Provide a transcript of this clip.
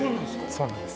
そうなんです。